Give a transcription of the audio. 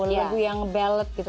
lagu yang ballad gitu